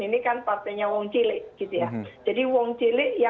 ini partenya wong cilik